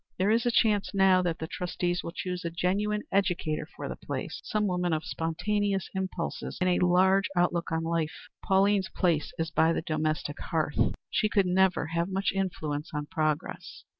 There is a chance now that the trustees will choose a genuine educator for the place some woman of spontaneous impulses and a large outlook on life. Pauline's place is by the domestic hearth. She could never have much influence on progress."